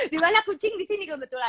gimana kucing disini kebetulan